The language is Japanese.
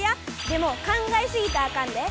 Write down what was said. でも考えすぎたらあかんで。